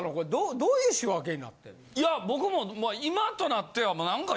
どういう仕分けになってんの？